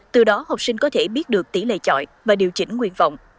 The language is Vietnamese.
từ đó học sinh có thể biết được tỷ lệ chọi và điều chỉnh nguyện vọng